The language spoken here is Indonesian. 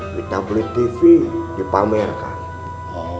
kita beli tv dipamerkan